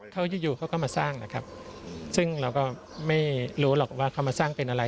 เขาอยู่อยู่เขาก็มาสร้างนะครับซึ่งเราก็ไม่รู้หรอกว่าเขามาสร้างเป็นอะไร